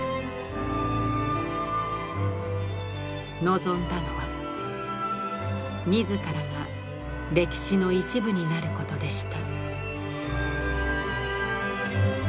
望んだのは自らが歴史の一部になることでした。